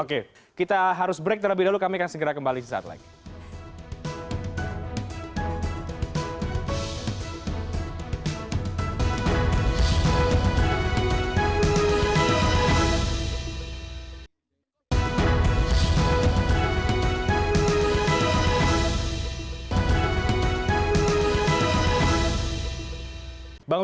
oke kita harus break terlebih dahulu kami akan segera kembali saat lain